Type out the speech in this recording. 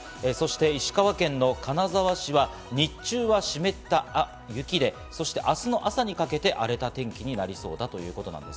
石川県金沢市は日中は湿った雪で明日の朝にかけて荒れた天気になりそうだということです。